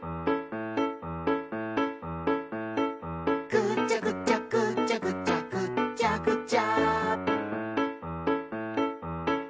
「ぐちゃぐちゃぐちゃぐちゃぐっちゃぐちゃ」